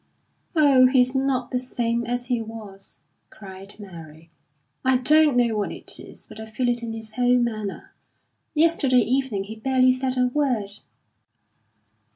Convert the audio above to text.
"Oh, he's not the same as he was!" cried Mary, "I don't know what it is, but I feel it in his whole manner. Yesterday evening he barely said a word."